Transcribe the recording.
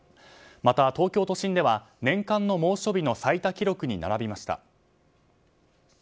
また、東京都心では年間の猛暑日の最多記録に並びました。